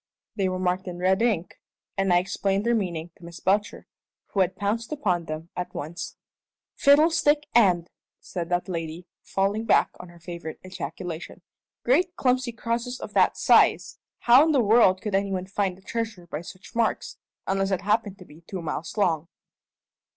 They were marked in red ink, and I explained their meaning to Miss Belcher, who had pounced upon them at once. "Fiddlestick end!" said that lady, falling back on her favourite ejaculation. "Great clumsy crosses of that size! How in the world could any one find a treasure by such marks, unless it happened to be two miles long?"